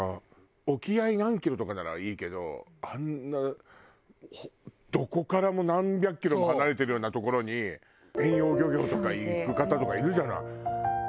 沖合何キロとかならいいけどあんなどこからも何百キロも離れてるような所に遠洋漁業とか行く方とかいるじゃない。